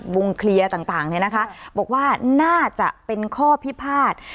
วงเคลียร์ต่างเนี่ยนะคะบอกว่าน่าจะเป็นข้อพิพาท